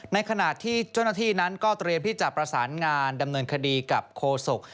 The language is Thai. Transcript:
ในขณะที่เจ้าหน้าที่นั้นก็เตรียมที่จะประสานงานดำเนินคดีกับโคศก